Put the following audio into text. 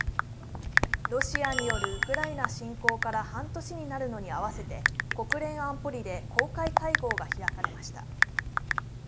ロシアによるウクライナ侵攻から半年になるのに合わせて国連安保理で公開会合が開かれました。